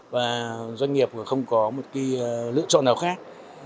và doanh nghiệp không có lựa chọn nào khác